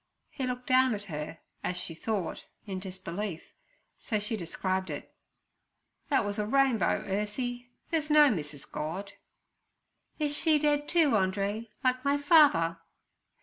He looked down at her, as she thought, in disbelief, so she described it. 'That was a rainbow, Ursie; there's no Mrs. God.' 'Is she dead too, Andree, like my father?'